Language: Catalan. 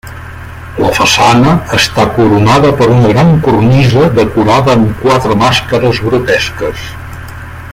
La façana està coronada per una gran cornisa decorada amb quatre màscares grotesques.